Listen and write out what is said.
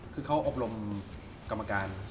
คือเขาอบรมกรรมการ